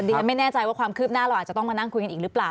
ฉันไม่แน่ใจว่าความคืบหน้าเราอาจจะต้องมานั่งคุยกันอีกหรือเปล่า